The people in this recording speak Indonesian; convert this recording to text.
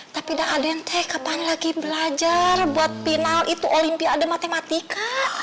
tapi dah adente kapan lagi belajar buat final itu olimpiade matematika